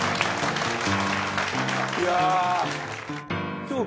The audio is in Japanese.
いや。